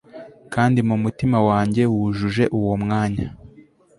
Kandi mumutima wanjye wujuje uwo mwanya